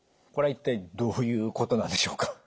これは一体どういうことなんでしょうか？